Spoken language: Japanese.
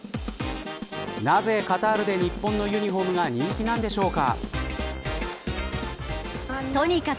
なぜカタールで日本のユニホームが人気なんでしょうか。